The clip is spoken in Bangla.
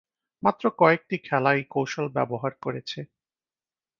মাত্র কয়েকটি খেলা এই কৌশল ব্যবহার করেছে।